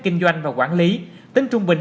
kinh doanh và quản lý tính trung bình